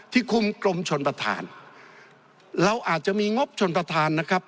คุมกรมชนประธานเราอาจจะมีงบชนประธานนะครับ